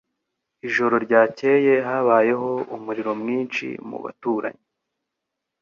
Ijoro ryakeye habaye umuriro mwinshi mu baturanyi